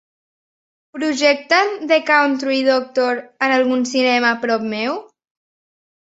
Projecten The Country Doctor en algun cinema a prop meu?